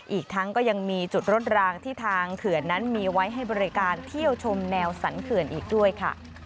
อีกทั้งก็ยังมีจุดรถรางที่ทางเขื่อนนั้นมีไว้ให้บริการเที่ยวชมแนวสันเขื่อนอีกด้วยค่ะ